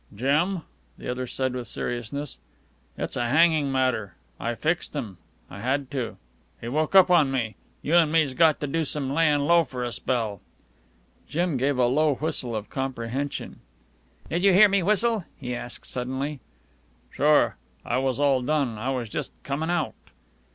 "Jim," the other said with seriousness, "it's a hangin' matter. I fixed 'm. I had to. He woke up on me. You an' me's got to do some layin' low for a spell." Jim gave a low whistle of comprehension. "Did you hear me whistle!" he asked suddenly. "Sure. I was all done. I was just comin' out."